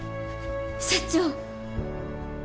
社長！